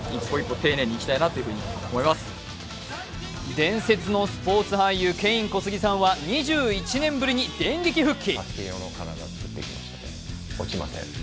伝説のスポーツ俳優ケイン・コスギさんは２１年ぶりに電撃復帰。